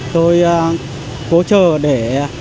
tôi cố chờ để